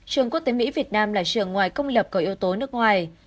trường quốc tế mỹ việt nam là trường ngoài công lập có yếu tố nước ngoài